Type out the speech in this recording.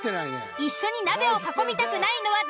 一緒に鍋を囲みたくないのは誰？